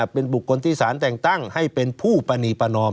เป็นบุคคลที่สารแต่งตั้งให้เป็นผู้ปรณีประนอม